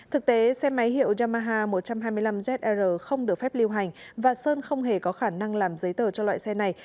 thực tế xe máy hiệu yamaha một trăm hai mươi năm ezr không được phép lưu hành và sơn không hề có khả năng làm giấy tờ cho loại xe này